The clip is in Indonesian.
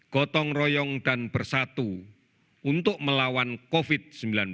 gotong royong dan bersatu untuk melawan covid sembilan belas